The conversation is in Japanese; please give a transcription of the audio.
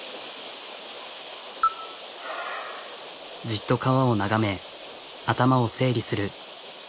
じっと川を眺め頭を整理する。